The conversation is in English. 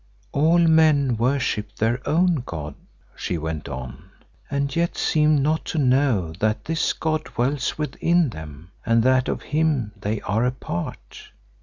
"All men worship their own god," she went on, "and yet seem not to know that this god dwells within them and that of him they are a part.